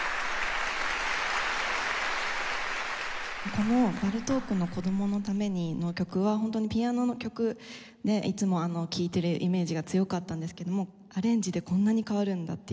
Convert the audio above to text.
このバルトークの『子供のために』の曲はホントにピアノの曲でいつも聴いてるイメージが強かったんですけどもアレンジでこんなに変わるんだっていう。